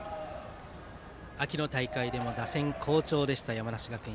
秋の大会でも打線好調でした山梨学院。